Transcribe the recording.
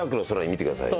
見てください。